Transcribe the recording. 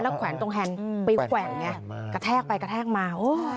แล้วแขวนตรงแห่งไปแขวนอย่างนี้กระแทกไปกระแทกมา